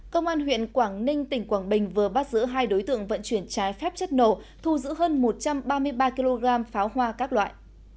công an huyện quảng ninh tỉnh quảng bình vừa bắt giữ hai đối tượng vận chuyển trái phép chất nổ thu giữ hơn một trăm ba mươi ba kg pháo hoa các loại